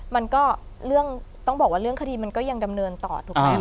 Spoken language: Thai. มันก็เรื่องต้องบอกว่าเรื่องคดีมันก็ยังดำเนินต่อถูกไหม